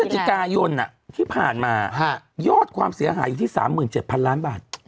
จิกายนที่ผ่านมายอดความเสียหายอยู่ที่๓๗๐๐ล้านบาท